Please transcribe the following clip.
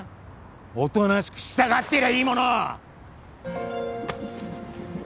おとなしく従ってりゃいいものを！